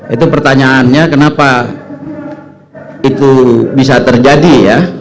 itu pertanyaannya kenapa itu bisa terjadi ya